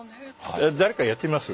誰かやってみます？